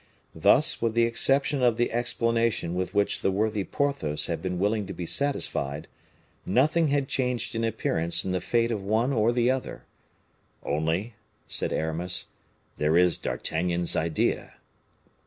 Thus, with the exception of the explanation with which the worthy Porthos had been willing to be satisfied, nothing had changed in appearance in the fate of one or the other, "Only," said Aramis, "there is D'Artagnan's idea."